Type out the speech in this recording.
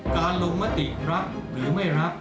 การลงมติรับหรือไม่รับ